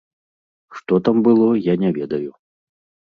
Што там было, я не ведаю.